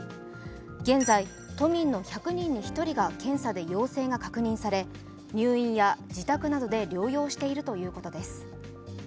現在、都民の１００人に１人が検査で陽性が確認され入院や自宅などで療養しているということです。